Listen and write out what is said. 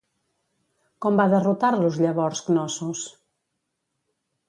Com va derrotar-los, llavors, Cnossos?